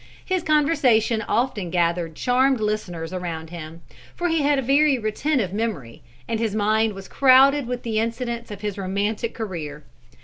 His conversation often gathered charmed listeners around him, for he had a very retentive memory, and his mind was crowded with the incidents of his romantic career.